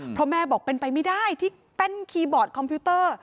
เพราะแม่บอกเป็นไปไม่ได้ที่แป้นคีย์บอร์ดคอมพิวเตอร์